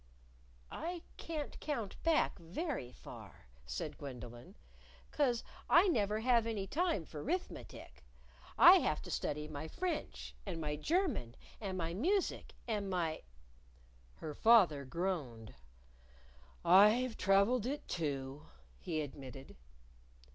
"I can't count back very far," said Gwendolyn, "'cause I never have any time for 'rithmatic. I have to study my French, and my German, and my music, and my " Her father groaned. "I've traveled it, too," he admitted.